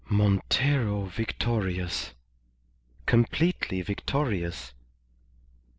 "Montero victorious, completely victorious!"